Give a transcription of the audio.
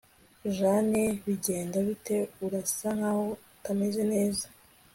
jane, bigenda bite? urasa nkaho utameze neza